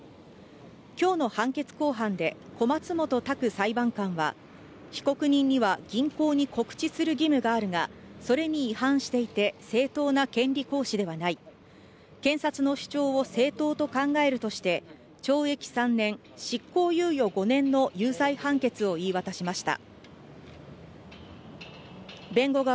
今日の判決公判で小松本卓裁判官は被告人には銀行に告知する義務があるが、それに違反していて正当な権利行使ではない、検察の主張を正当と考えるとして懲役３年執行猶予５年の有罪判決を言い渡しました。